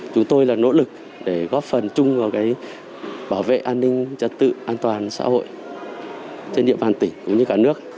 chúng tôi là nỗ lực để góp phần chung vào bảo vệ an ninh trật tự an toàn xã hội trên địa bàn tỉnh cũng như cả nước